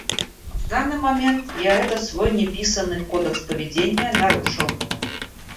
В данный момент я этот свой неписаный кодекс поведения нарушил.